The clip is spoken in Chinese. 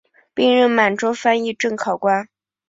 并任满洲翻译正考官。